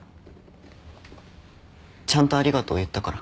ちゃんとありがとう言ったから。